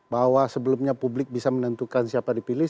bahwa sebelumnya publik bisa menentukan siapa dipilih